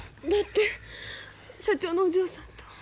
だって社長のお嬢さんと。